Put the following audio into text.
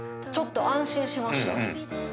ちょっと安心しました。